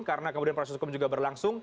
karena kemudian proses penjualan